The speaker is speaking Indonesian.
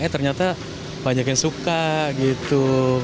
ternyata banyak yang suka gitu